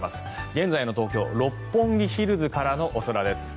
現在の東京・六本木ヒルズからのお空です。